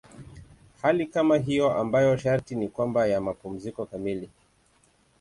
Hali kama hiyo ambayo sharti ni kwamba ya mapumziko kamili.